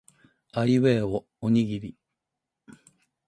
あいうえおおにぎり